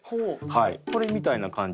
これみたいな感じで。